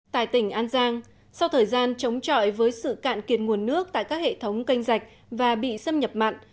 tại tỉnh an giang sau thời gian chống chọi với sự cạn kiệt nguồn nước tại các hệ thống canh dạch và bị xâm nhập mặn